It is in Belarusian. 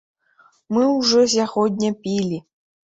Мы ўжо сягоння пілі.